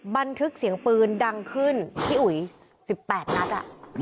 บันทึกเสียงปืนดังขึ้นที่๑๘นัทอ่ะ